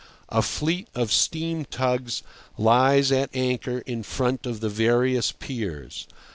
A fleet of steam tugs lies at anchor in front of the various piers.